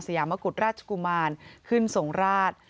ยามกุฎราชกุมารขึ้นทรงราช